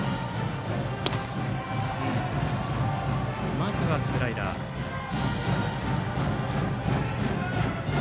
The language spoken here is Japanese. まずはスライダーから。